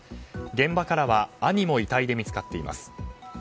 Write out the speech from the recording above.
現場からは兄も遺体で見つかっています。